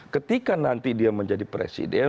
ketika nanti dia menjadi presiden